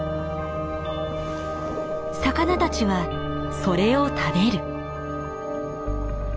魚たちはそれを食べる。